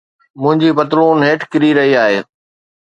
منهنجي پتلون هيٺ ڪري رهي آهي